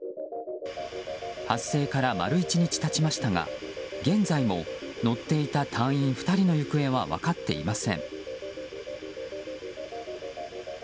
発生から丸１日経ちましたが現在も乗っていた隊員２人の行方は分かっていません。